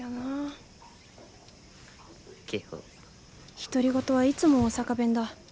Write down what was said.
独り言はいつも大阪弁だ。